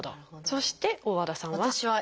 そして大和田さんは。